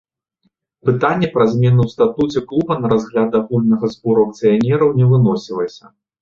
Пытанне пра змены ў статуце клуба на разгляд агульнага збору акцыянераў не выносілася.